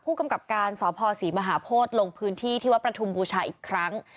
กำกับการสพศรีมหาโพธิลงพื้นที่ที่วัดประทุมบูชาอีกครั้ง